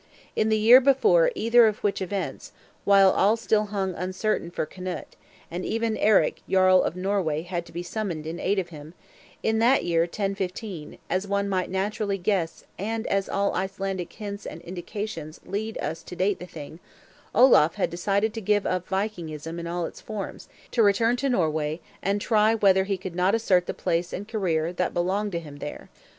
In the year before either of which events, while all still hung uncertain for Knut, and even Eric Jarl of Norway had to be summoned in aid of him, in that year 1015, as one might naturally guess and as all Icelandic hints and indications lead us to date the thing, Olaf had decided to give up Vikingism in all its forms; to return to Norway, and try whether he could not assert the place and career that belonged to him there.